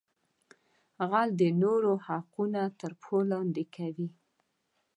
غل د نورو حقونه تر پښو لاندې کوي